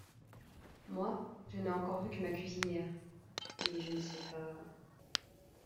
Moi, je n’ai encore vu que ma cuisinière, … et je ne sais pas…